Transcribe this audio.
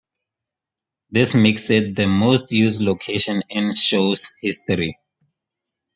This makes it the most used location in the show's history.